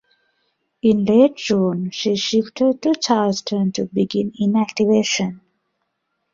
In late June, she shifted to Charleston to begin inactivation.